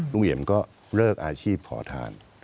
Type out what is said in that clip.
เอี่ยมก็เลิกอาชีพขอทาน